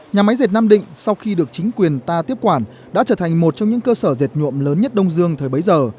nhà máy dệt nam định sau khi được chính quyền ta tiếp quản đã trở thành một trong những cơ sở dệt nhuộm lớn nhất đông dương thời bấy giờ